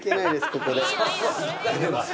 ここで。